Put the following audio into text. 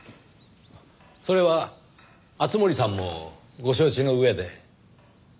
それは敦盛さんもご承知の上で？